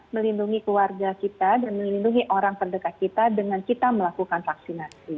melindungi keluarga kita dan melindungi orang terdekat kita dengan kita melakukan vaksinasi